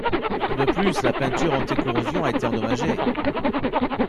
De plus, la peinture anti-corrosion a été endommagée.